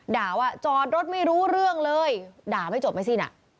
ด่าว่าจอดรถไม่รู้เรื่องเลยด่าไม่จบไม่สิ้นอ่ะ